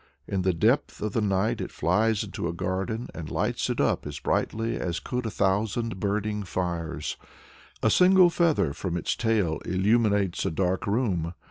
In the depth of the night it flies into a garden, and lights it up as brightly as could a thousand burning fires. A single feather from its tail illuminates a dark room.